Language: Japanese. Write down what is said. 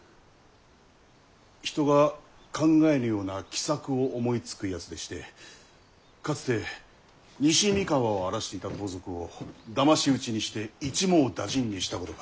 人が考えぬような奇策を思いつくやつでしてかつて西三河を荒らしていた盗賊をだまし討ちにして一網打尽にしたことが。